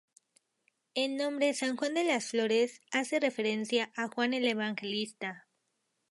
El nombre "San Juan de Las Flores" hace referencia a Juan el Evangelista.